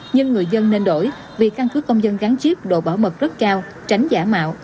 nhưng người dân nên đổi vì căn cứ công dân gắn chip độ bảo mật rất cao tránh giả mạo